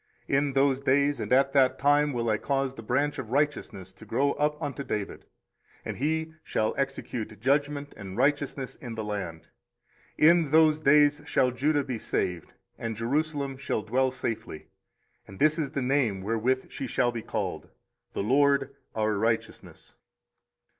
24:033:015 In those days, and at that time, will I cause the Branch of righteousness to grow up unto David; and he shall execute judgment and righteousness in the land. 24:033:016 In those days shall Judah be saved, and Jerusalem shall dwell safely: and this is the name wherewith she shall be called, The LORD our righteousness.